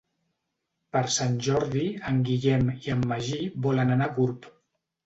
Per Sant Jordi en Guillem i en Magí volen anar a Gurb.